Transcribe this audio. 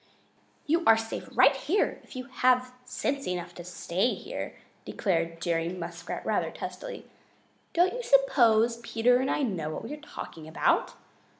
"You are safe right here, if you have sense enough to stay here," declared Jerry Muskrat rather testily. "Don't you suppose Peter and I know what we are talking about?"